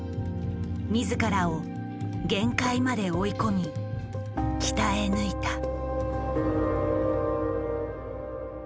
自らを限界まで追い込み鍛え抜いた。